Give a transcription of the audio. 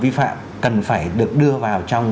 vi phạm cần phải được đưa vào trong